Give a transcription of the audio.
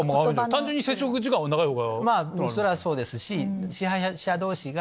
単純に接触時間が長いほうが。